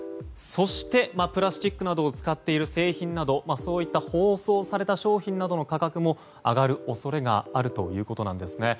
そしてプラスチックなどを使っている製品など包装された商品などの価格も上がる恐れがあるということです。